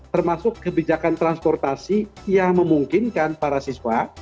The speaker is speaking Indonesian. termasuk kebijakan transportasi yang memungkinkan para siswa